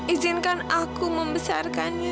izinkan aku membesarkan dia